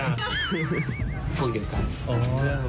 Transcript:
ผลเกี่ยวกัน